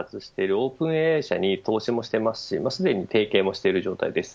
オープンＡＩ社に投資もしていますし、すでに提携もしている状態です。